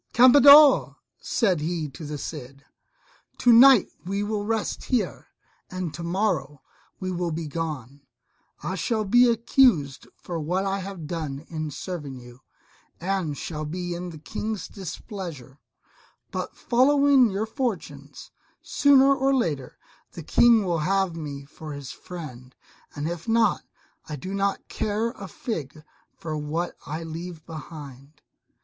"Campeador," said he to the Cid, "to night we will rest here, and tomorrow we will be gone: I shall be accused for what I have done in serving you, and shall be in the King's displeasure; but following your fortunes, sooner or later, the King will have me for his friend, and if not, I do not care a fig for what I leave behind."